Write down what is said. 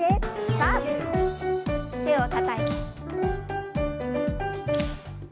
さあ手をたたいて。